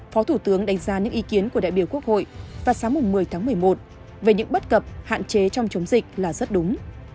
phó thủ tướng đánh giá những ý kiến của đại biểu quốc hội vào sáng một mươi tháng một mươi một về những bất cập hạn chế trong chống dịch là rất đúng